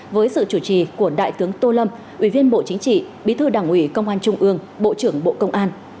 với sự chủ trì của đại tướng tô lâm ủy viên bộ chính trị bí thư đảng ủy công an trung ương bộ trưởng bộ công an